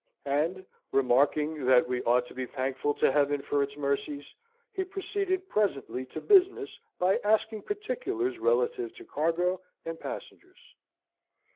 And, remarking that we ought to be thankful to Heaven for its mercies, he proceeded presently to business by asking particulars relative to cargo and passengers.